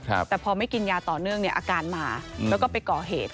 แต่พอไม่กินยาต่อเนื่องเนี่ยอาการมาแล้วก็ไปก่อเหตุ